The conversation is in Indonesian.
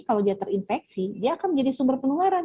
kalau dia terinfeksi dia akan menjadi sumber penularan